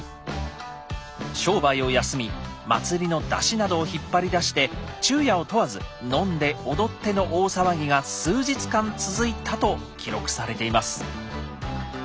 商売を休み祭りの山車などを引っ張り出して昼夜を問わず飲んで踊っての大騒ぎが数日間続いたと記録されています。